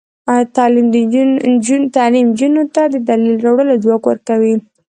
تعلیم نجونو ته د دلیل راوړلو ځواک ورکوي.